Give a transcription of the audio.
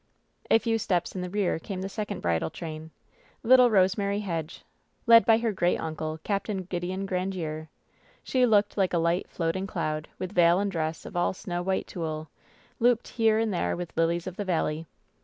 A few steps in the rear came the second bridal train — little Kosemary Hedge, led by her greatuncle, Capt Gideon Grandiere. She looked like a light, floating cloud, with veil and dress all of snow white tulle, looped here and there with lilies of the valley.